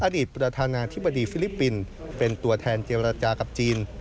อดีตประธานาธิบดีฟิลิปปินส์เป็นตัวแทนเจรจากับจีน